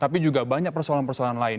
tapi juga banyak persoalan persoalan lain